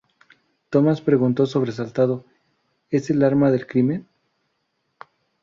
Tomas pregunto sobresaltado ¿es el arma del crimen?